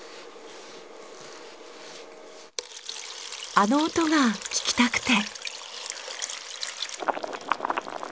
あの音が聞きたくて。